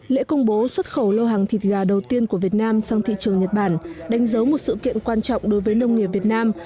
lễ công bố xuất khẩu lô hàng thịt gà đầu tiên của việt nam sang thị trường nhật bản đánh dấu một sự kiện quan trọng đối với nông nghiệp việt nam